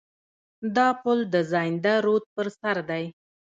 دا پل د زاینده رود پر سر دی.